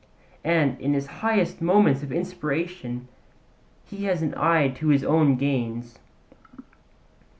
And in his highest moments of inspiration he has an eye to his own gains.